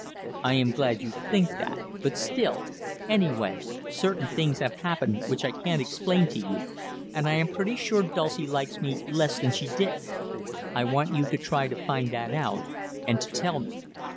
"I am glad you think that, but still anyway, certain things have happened which I can't explain to you, and I am pretty sure Dulcie likes me less than she did. I want you to try to find that out, and to tell me.